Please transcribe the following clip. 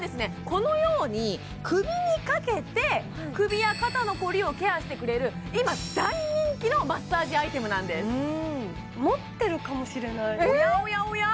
このように首にかけて首や肩のコリをケアしてくれる今大人気のマッサージアイテムなんです持ってるかもしれないおやおやおや？